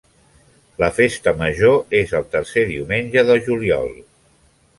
La festa major és el tercer diumenge de juliol.